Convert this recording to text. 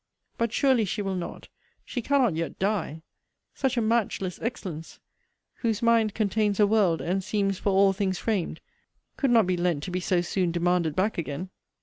But, surely, she will not, she cannot yet die! Such a matchless excellence, whose mind Contains a world, and seems for all things fram'd, could not be lent to be so soon demanded back again!